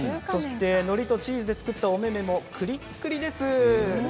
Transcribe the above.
のりとチーズで作ったお目々もくりくりです。